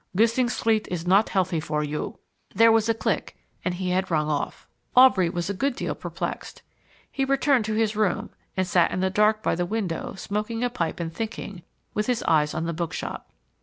Gissing Street is not healthy for you." There was a click, and he had rung off. Aubrey was a good deal perplexed. He returned to his room, and sat in the dark by the window, smoking a pipe and thinking, with his eyes on the bookshop.